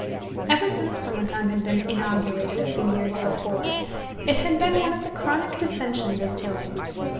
... Ever since summer time had been inaugurated a few years before, it had been one of the chronic dissensions of Tilling.